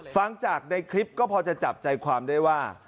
ฟังจากในคลิปก็พอจะจับใจความได้ว่า